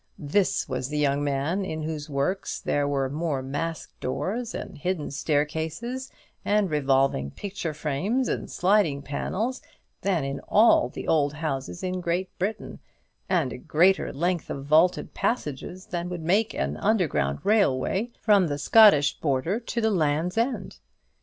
This was the young man in whose works there were more masked doors, and hidden staircases, and revolving picture frames and sliding panels, than in all the old houses in Great Britain; and a greater length of vaulted passages than would make an underground railway from the Scottish border to the Land's End.